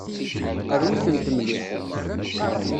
Rwi-tent mliḥ.